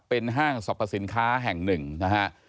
เป็นห้างสรรพสินค้าแห่ง๑นะครับ